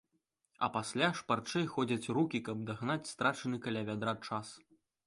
А пасля шпарчэй ходзяць рукі, каб дагнаць страчаны каля вядра час.